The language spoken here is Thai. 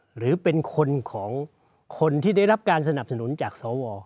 หรือเป็นคนของคนที่ได้รับการสนับสนุนจากสว